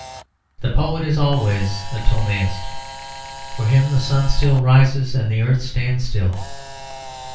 The poet is always a Ptolemaist; for him the sun still rises and the earth stands still.